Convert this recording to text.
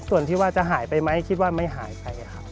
ส่วนที่ว่าจะหายไปไหมคิดว่าไม่หายไปครับ